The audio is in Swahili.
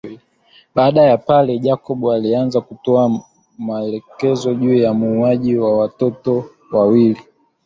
Baada ya pale Jacob alianza kutoa maelekezo juu ya muuaji wa wale Watoto wawili